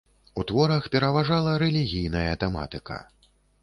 У творах пераважала рэлігійная тэматыка.